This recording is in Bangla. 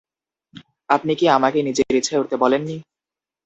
আপনি কি আমাকে নিজের ইচ্ছায় উড়তে বলেননি?